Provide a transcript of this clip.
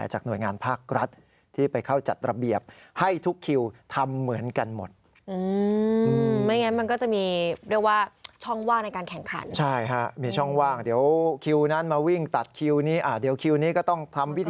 หนักจริง